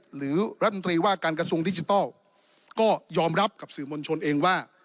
หรือรัฐมนตรีว่าการกระทรวงดิจิทัลก็ยอมรับกับสื่อมวลชนเองว่า